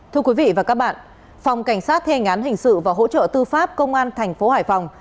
thưa quý vị và các bạn phòng cảnh sát thê ngán hình sự và hỗ trợ tư pháp công an tp hải phòng